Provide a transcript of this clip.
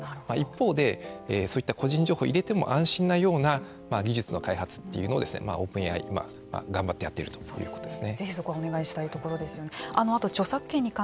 一方でそういった個人情報を入れても安心なような技術の開発というのをＯｐｅｎＡＩが頑張ってやっているということですね。